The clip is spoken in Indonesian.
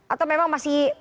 atau memang masih